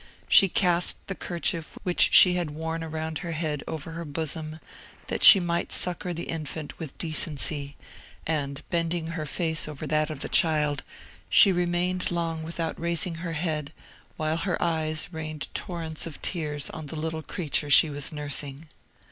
She cast the kerchief which she had worn around her head over her bosom, that she might succour the infant with decency, and bending her face over that of the child, she remained long without raising her head, while her eyes rained torrents of tears on the little creature she was nursing.